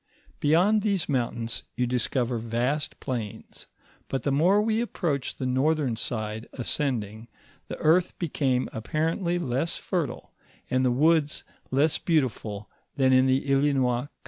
Beyond these mountains you discover vast plains, but the more we approach the northern side ascending, the earth became apparently less fertile, and the woods less bean tiful than in the Islinois country.